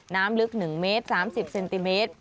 น้ำลึก๑เมตร๓๐เซนติเมตร